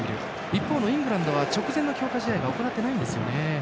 一方のイングランドは直前の強化試合を行っていないんですね。